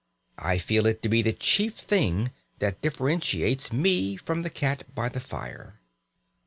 I feel it to be the chief thing that differentiates me from the cat by the fire.